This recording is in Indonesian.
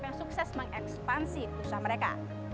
yang sukses mengekspansi usaha mereka